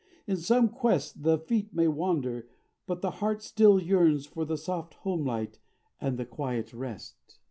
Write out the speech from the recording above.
In some quest The feet may wander, but the heart still yearns For the soft home light and the quiet rest.